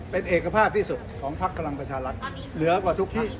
เป็นเอกภาพที่สุดของพลักษณ์กำลังประชาธิบัติเหลือกว่าทุกที่